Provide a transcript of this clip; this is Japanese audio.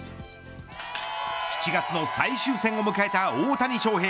７月の最終戦を迎えた大谷翔平。